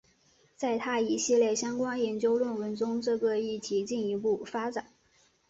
在他一系列相关研究论文中这个议题进一步发展。